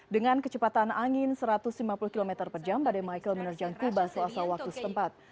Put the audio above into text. dengan kecepatan angin satu ratus lima puluh km per jam badai michael menerjang kuba selasa waktu setempat